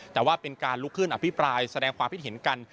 แต่ว่าเป็นการลุกขึ้นอภิปรายแสดงความคิดเห็นกัน